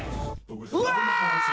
うわ！